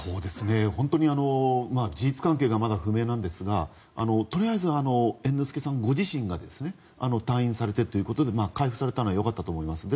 事実関係がまだ不明なんですがとりあえず、猿之助さんご自身が退院されてということで回復されたのは良かったと思います。